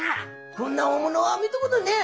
「こんな大物は見たことねえ。